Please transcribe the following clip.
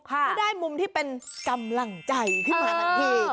ไม่ได้มุมที่เป็นกำลังใจขึ้นมาทันที